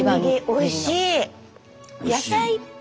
おいしい。